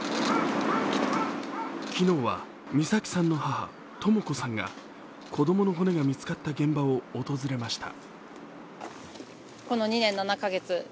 昨日は、美咲さんの母・とも子さんが子供の骨が見つかった現場を訪れました。